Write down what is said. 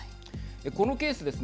このケースですね